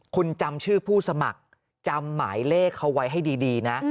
คุณจำชื่อผู้สมัครจำหมายเลขเขาไว้ให้ดีนะ